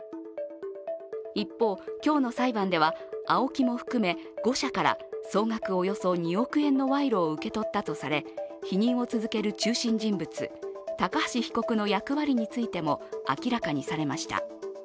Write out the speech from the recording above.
一方、今日の裁判ではＡＯＫＩも含め、５社から総額およそ２億円の賄賂を受け取ったとされ否認を続ける中心人物高橋被告の役割についても明らかにされました。